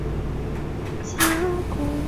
小果革叶槭为槭树科槭属下的一个变种。